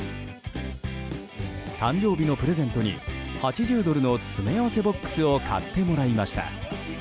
誕生日のプレゼントに８０ドルの詰め合わせボックスを買ってもらいました。